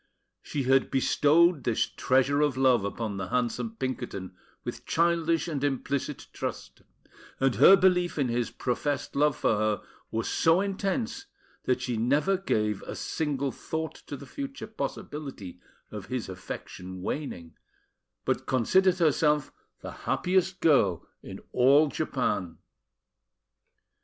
She had bestowed this treasure of love upon the handsome Pinkerton with childish and implicit trust; and her belief in his professed love for her was so intense that she never gave a single thought to the future possibility of his affection waning, but considered herself the happiest girl in all Japan.